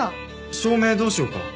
「照明どうしようか？」